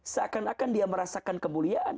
seakan akan dia merasakan kemuliaan